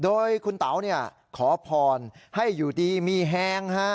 โดยคุณเต๋าขอพรให้อยู่ดีมีแฮง